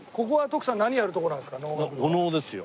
お能ですよ。